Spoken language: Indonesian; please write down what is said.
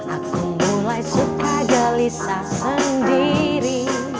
aku mulai suka darisa sendiri